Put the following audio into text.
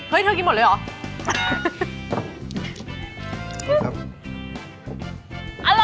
เฮ้ยเธอกินหมดเลยหรอ